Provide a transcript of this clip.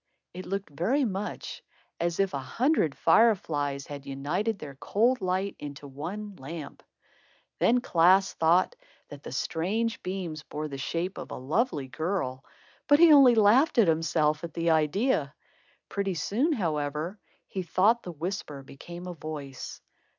It looked very much as if a hundred fire flies had united their cold light into one lamp. Then Klaas thought that the strange beams bore the shape of a lovely girl, but he only laughed at himself at the idea. Pretty soon, however, he thought the whisper became a voice.